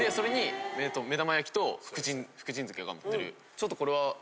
ちょっとこれは。